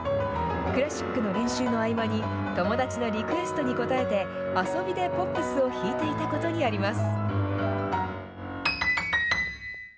クラシックの練習の合間に、友達のリクエストに応えて、遊びでポップスを弾いていたことにあります。